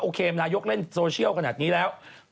โอเคนายกเล่นชอบสถานการณ์ขนาดนี้แล้ว